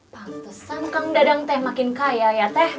pantesan kang dadang teh makin kaya ya teh